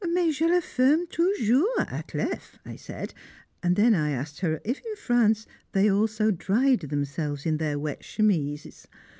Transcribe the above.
"Mais je la ferme toujours à clef," I said, and then I asked her if in France they also dried themselves in their wet chemises?